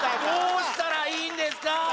どうしたらいいんですか？